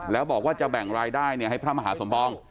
แล้วบอกว่าจะแบ่งรายได้ให้พระมหาสมปอง